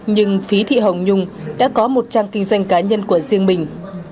nhưng phí thị hồng nhung đã có một trang kinh doanh cá nhân của riêng mình